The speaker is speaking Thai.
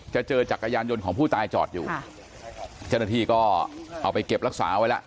เจอจักรยานยนต์ของผู้ตายจอดอยู่เจ้าหน้าที่ก็เอาไปเก็บรักษาไว้แล้ว